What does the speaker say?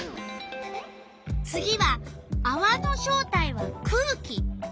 次は「あわの正体は空気」。